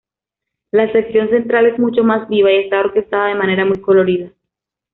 La sección central es mucho más viva y está orquestada de manera muy colorida.